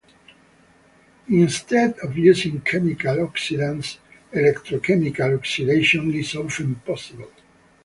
Instead of using chemical oxidants, electrochemical oxidation is often possible.